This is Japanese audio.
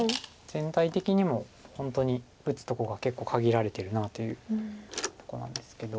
全体的にも本当に打つとこが結構限られてるなというとこなんですけど。